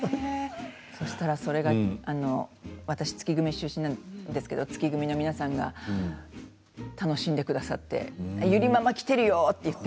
そうしたら、それが私は月組出身なんですけれども月組の皆さんが楽しんでくださってゆりママ来ているよって言って。